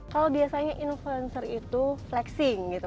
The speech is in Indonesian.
kalau biasanya influencer itu flexing gitu